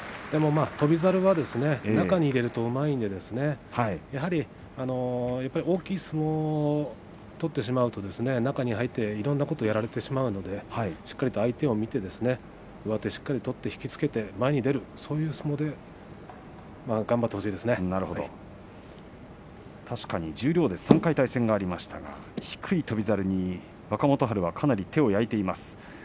でも翔猿はですね中に入れるとうまいのでですねやはり大きい相撲を取ってしまうと、中に入っていろんなことをやられてしまうので、しっかりと相手を見てですね上手しっかり取って、引き付けて前に出るそういう相撲を確かに十両で３回対戦がありましたが低い翔猿に、若元春がかなり手を焼いています。